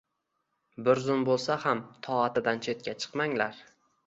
Bir zum boʻlsa ham toatidan chetga chiqmanglar.